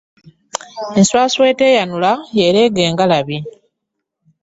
Enswaswa eteyanula y'eraga engalabi .